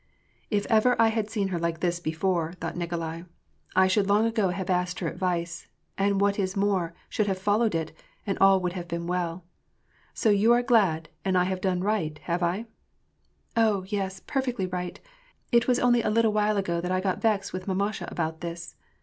" If ever I had seen her like this before," thought Nikolai, " I should long ago have asked her advice, and what is more should have followed it, and all would have been welL — So you are glad, and I have done right, have I ?"" Oh, yes, perfectly right. It was only a little while ago that I got vexed with mamasha about this.